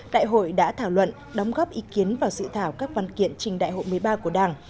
đại hội đã thảo luận đóng góp ý kiến vào dự thảo các văn kiện trình đại hội một mươi ba của đảng